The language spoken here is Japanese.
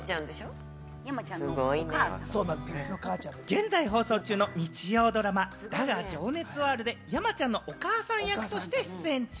現在放送中の日曜ドラマ『だが、情熱はある』で山ちゃんのお母さん役として出演中。